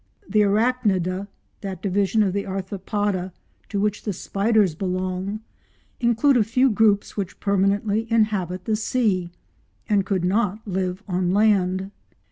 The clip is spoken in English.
The Arachnida—that division of the Arthropoda to which the spiders belong—include a few groups which permanently inhabit the sea, and could not live on land.